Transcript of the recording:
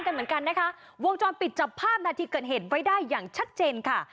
กันเหมือนกันนะคะวงจรปิดจับภาพนาทีเกิดเหตุไว้ได้อย่างชัดเจนค่ะ